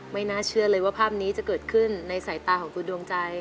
ไม่น่าเชื่อเลยว่าภาพนี้จะเกิดขึ้นในสายตาของคุณดวงใจ